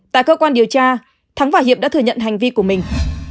tại cơ quan điều tra thắng và hiệp đã thừa nhận hành vi của mình